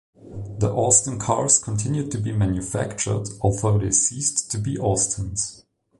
The Austin cars continued to be manufactured, although they ceased to be Austins.